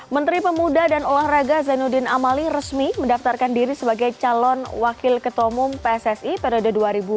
menteri pemuda dan olahraga zainuddin amali resmi mendaftarkan diri sebagai calon wakil ketua umum pssi periode dua ribu dua puluh tiga dua ribu dua puluh tujuh